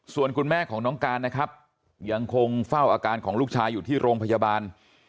ส่วนคุณแม่ของน้องการนะครับยังคงเฝ้าอาการของลูกชายอยู่ที่โรงพยาบาล